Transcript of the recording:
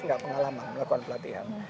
tidak pengalaman melakukan pelatihan